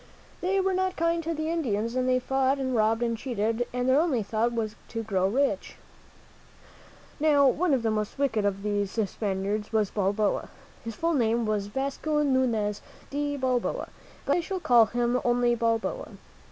They were not kind to the Indians, and they fought and robbed and cheated, and their only thought was to grow rich. Now, one of the most wicked of all these Spaniards was Balboa. His full name was Vasco Nunez de Balboa, but I think I shall call him only Balboa.